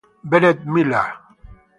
Bennett Miller